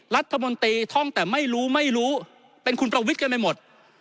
รัฐมนตรีท่องแต่ไม่รู้ไม่รู้เป็นคุณประวิทย์กันไปหมด